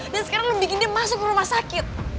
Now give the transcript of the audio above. dan sekarang lo bikin dia masuk rumah sakit